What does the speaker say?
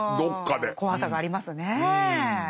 怖さがありますねえ。